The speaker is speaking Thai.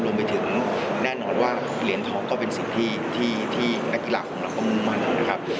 รวมไปถึงแน่นอนว่าเหรียญทองก็เป็นสิ่งที่นักกีฬาของเราก็มุ่งมั่นนะครับ